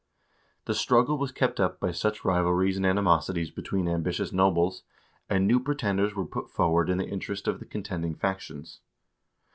The struggle was kept up by such rivalries and animosities between ambitious nobles, and new pretenders were put forward in the interest of the contending factions.